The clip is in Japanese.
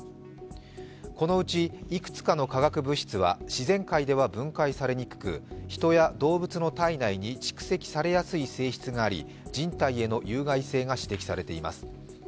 このうちいくつかの化学物質は自然界では分解されにくく人や動物の体内に蓄積されやすい性質があり人体への有害性が指摘されています。